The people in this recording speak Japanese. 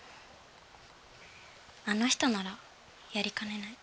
あの人ならやりかねない。